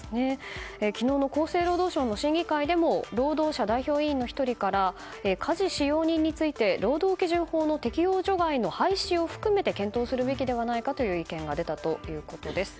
昨日の厚生労働省の審議会でも労働者代表委員の１人から家事使用人について労働基準法の適用除外の廃止を含めて検討すべきではないかという意見が出たということです。